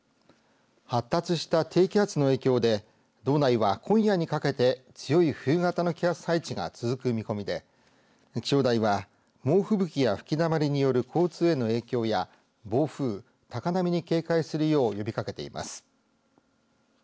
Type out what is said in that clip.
発達した低気圧の影響で道内は、今夜にかけて強い冬型の気圧配置が続く見込みで気象台は猛吹雪や吹きだまりによる交通への影響や暴風、高波に警戒するよう呼びかけています。